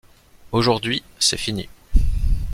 Aujourd’hui, c’est fini.